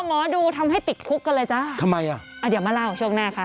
คุกกันเลยจ้ะทำไมอ่ะอ่ะเดี๋ยวมาเล่าช่วงหน้าค่ะ